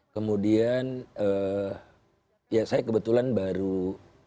kemudian ya saya kebetulan baru ada acara